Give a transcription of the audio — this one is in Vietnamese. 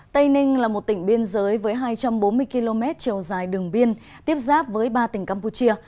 tây ninh là một tỉnh biên giới với hai trăm bốn mươi km chiều dài đường biên tiếp giáp với ba tỉnh campuchia